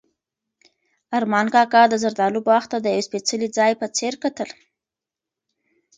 ارمان کاکا د زردالو باغ ته د یو سپېڅلي ځای په څېر کتل.